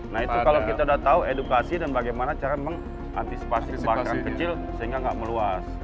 nah itu kalau kita sudah tahu edukasi dan bagaimana cara mengantisipasi kebakaran kecil sehingga nggak meluas